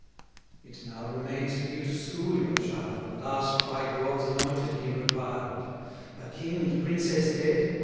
It now remains for you to school your child, And ask why God's anointed he reviled; A king and princess dead!